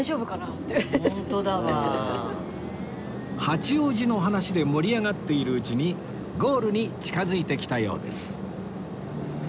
八王子の話で盛り上がっているうちにゴールに近づいてきたようです